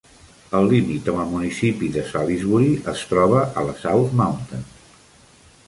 El límit amb el municipi de Salisbury es troba a la South Mountain.